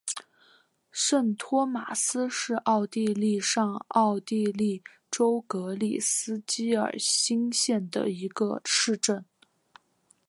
圣托马斯是奥地利上奥地利州格里斯基尔兴县的一个市镇。